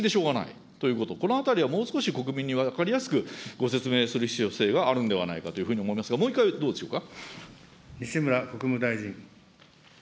私これ本当、不思議でしょうがない、ということ、このあたりをもう少し国民に分かりやすくご説明する必要性があるんではないかと思いますが、もう一回どうでしょうか。